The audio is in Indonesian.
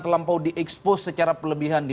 terlampau di expose secara pelebihan di